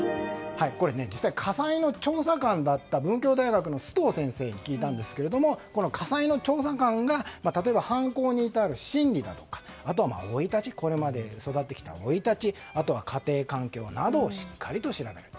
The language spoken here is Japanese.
家裁の調査官だった文教大学の須藤先生に聞いたんですがこの家裁の調査官が例えば犯行に至る心理だとか生い立ち、これまで育ってきた生い立ち、家庭環境などをしっかりと調べる。